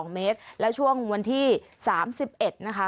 ๒เมตรและช่วงวันที่๓๑นะคะ